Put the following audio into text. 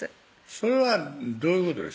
それはどういうことですか？